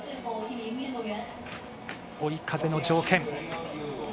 追い風の条件。